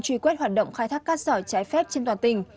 truy quét hoạt động khai thác cát sỏi trái phép trên toàn tỉnh